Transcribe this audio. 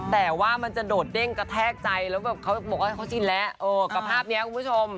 แต่ว่ามันจะโดดเด้งกระแทกใจแล้วแบบเขาบอกว่าให้เขาชินแล้วกับภาพนี้คุณผู้ชม